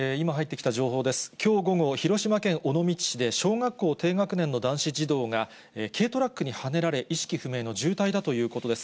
きょう午後、広島県尾道市で小学校低学年の男子児童が軽トラックにはねられ、意識不明の重体だということです。